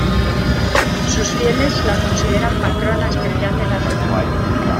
Sus fieles la consideran "Patrona Especial de la Ciudad".